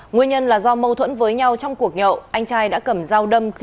nguyên nhân là do mâu thuẫn với nhau trong cuộc nhậu anh trai đã cầm dao đâm